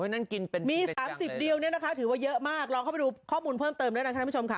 มี๓๐ดิวนี่นะคะถือว่าเยอะมากลองเข้าไปดูข้อมูลเพิ่มเติมเลยนะท่านผู้ชมค่ะ